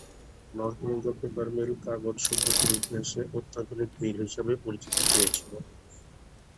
North Bengal paper mill কাগজ সভ্যতার ইতিহাসে অত্যাধুনিক মিল হিসাবে পরিচিতি পেয়েছিল।